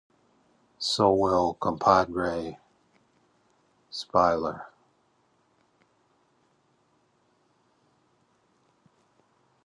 So will Comrade Spiller.